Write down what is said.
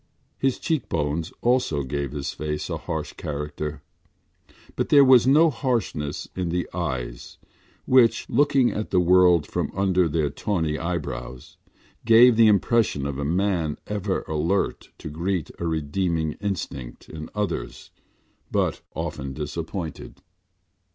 His cheekbones also gave his face a harsh character; but there was no harshness in the eyes which, looking at the world from under their tawny eyebrows, gave the impression of a man ever alert to greet a redeeming instinct in others but often disappointed.